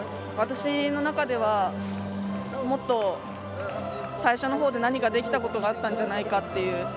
私の中ではもっと、最初のほうで何かできたことがあったんじゃないかっていう。